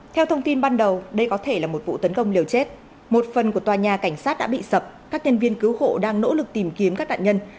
theo thông tin ban đầu đây có thể là một vụ tấn công liều chết một phần của tòa nhà cảnh sát đã bị sập các nhân viên cứu hộ đang nỗ lực tìm kiếm các nạn nhân